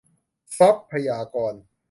ทรัพยากร